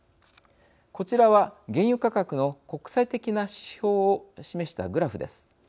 こちらは、原油価格の国際的な指標を示したグラフです。